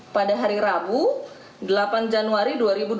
pada hari rabu delapan januari dua ribu dua puluh